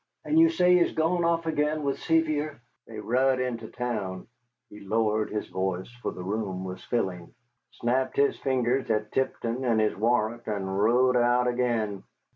"And you say he's gone off again with Sevier?" "They rud into town" (he lowered his voice, for the room was filling), "snapped their fingers at Tipton and his warrant, and rud out ag'in.